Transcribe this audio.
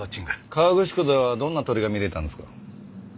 河口湖ではどんな鳥が見れたんですか？